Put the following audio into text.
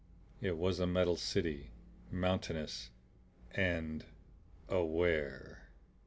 It was a metal city, mountainous and AWARE.